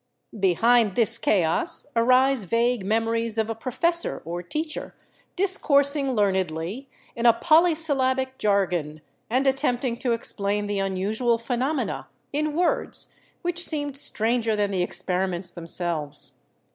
Behind this chaos arise vague memories of a professor or teacher discoursing learnedly in a polysyllabic jargon, and attempting to explain the unusual phenomena in words which seemed stranger than the experiments them selves.